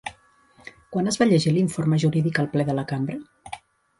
Quan es va llegir l'informe jurídic al ple de la cambra?